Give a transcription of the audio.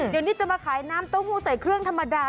เดี๋ยวนี้จะมาขายน้ำเต้าหู้ใส่เครื่องธรรมดา